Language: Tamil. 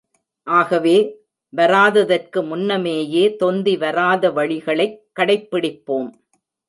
ஆகவே, வராததற்கு முன்னமேயே தொந்தி வராத வழிகளைக் கடைப்பிடிப்போம்.